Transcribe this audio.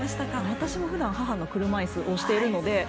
私もふだん母の車いすを押しているので。